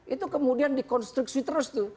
itu kemudian dikonstruksi terus tuh